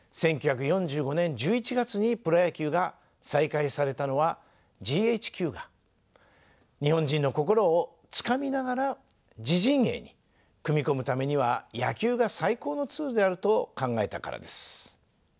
１９４５年１１月にプロ野球が再開されたのはＧＨＱが日本人の心をつかみながら自陣営に組み込むためには野球が最高のツールであると考えたからです。